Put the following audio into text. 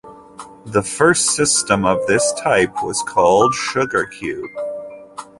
The first system of this type was called "SugarCube".